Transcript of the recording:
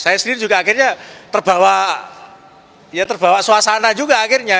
saya sendiri juga akhirnya terbawa suasana juga akhirnya